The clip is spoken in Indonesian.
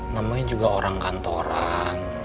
namanya juga orang kantoran